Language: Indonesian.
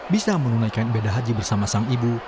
bisa menunaikan ibadah haji bersama sang ibu